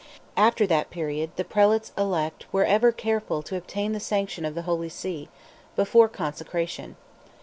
After that period, the Prelates elect were ever careful to obtain the sanction of the Holy See, before consecration.